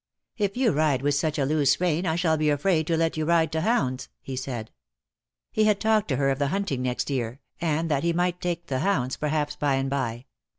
"If you ride with such a loose rein I shall be afraid to let you ride to hounds," he said. He had talked to her of the hunting next year, and that he naight take the hounds perhaps, by and by.